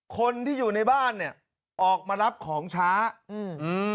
คนที่อยู่ในบ้านเนี้ยออกมารับของช้าอืมอืม